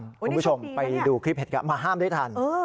คุณผู้ชมไปดูคลิปเหตุการณ์มาห้ามได้ทัน